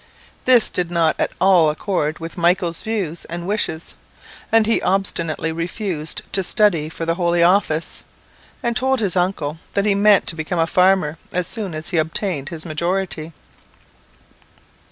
This did not at all accord with Michael's views and wishes, and he obstinately refused to study for the holy office, and told his uncle that he meant to become a farmer as soon as he obtained his majority.